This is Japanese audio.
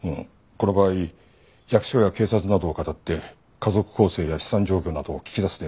この場合役所や警察などをかたって家族構成や資産状況などを聞き出す電話だ。